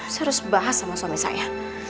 saya harus bahas sama suami saya